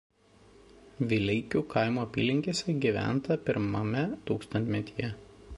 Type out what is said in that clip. Vileikių kaimo apylinkėse gyventa pirmame tūkstantmetyje.